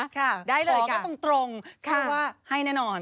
ขอก็ตรงชื่อว่าให้แน่นอน